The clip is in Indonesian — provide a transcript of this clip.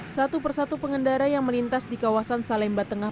satu persatu pengendara yang melintas di kawasan salemba tengah